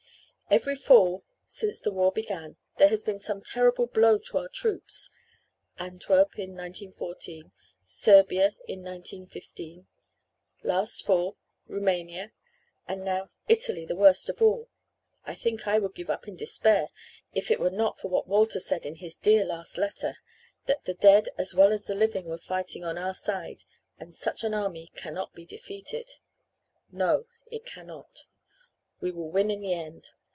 "Every fall since the war began there has been some terrible blow to our troops Antwerp in 1914, Serbia in 1915; last fall, Rumania, and now Italy, the worst of all. I think I would give up in despair if it were not for what Walter said in his dear last letter that 'the dead as well as the living were fighting on our side and such an army cannot be defeated.' No it cannot. We will win in the end.